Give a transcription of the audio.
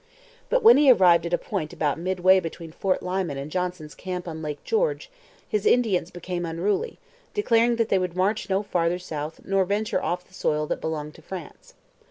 But when he arrived at a point about midway between Fort Lyman and Johnson's camp on Lake George, his Indians became unruly, declaring that they would march no farther south nor venture off the soil that belonged to France.